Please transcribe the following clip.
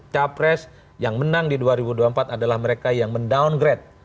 capres yang menang di dua ribu dua puluh empat adalah mereka yang mendowngrade